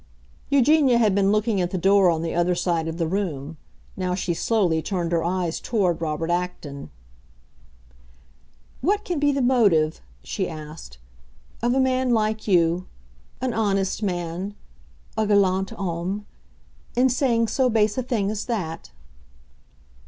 Eugenia had been looking at the door on the other side of the room; now she slowly turned her eyes toward Robert Acton. "What can be the motive," she asked, "of a man like you—an honest man, a galant homme—in saying so base a thing as that?"